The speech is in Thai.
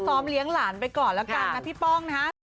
เลี้ยงหลานไปก่อนแล้วกันนะพี่ป้องนะฮะ